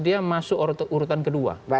dia masuk urutan kedua